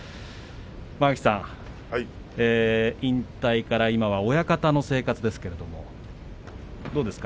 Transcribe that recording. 間垣さん、引退から今は親方の生活ですけれどもどうですか？